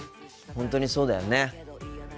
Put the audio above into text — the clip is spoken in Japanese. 本当にそうだよね。